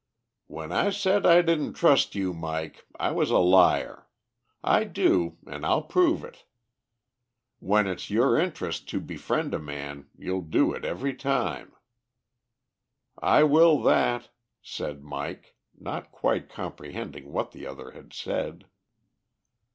"When I said I didn't trust you, Mike, I was a liar. I do, an' I'll prove it. When it's your interest to befriend a man, you'll do it every time." "I will that," said Mike, not quite comprehending what the other had said.